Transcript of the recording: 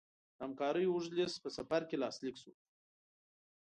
د همکاریو اوږد لېست په سفر کې لاسلیک شو.